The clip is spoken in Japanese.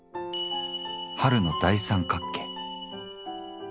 春の大三角形。